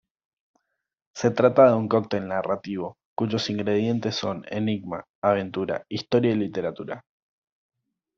Se trata de un coctel narrativo cuyos ingredientes son enigma, aventura, historia y literatura.